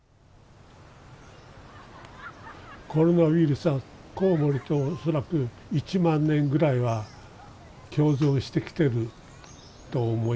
コロナウイルスはコウモリと恐らく１万年ぐらいは共存してきてると思います。